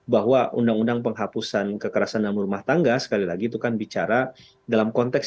bahwa undang undang penghapusan kekerasan dalam rumah tangga sekali lagi itu kan bicara dalam konteks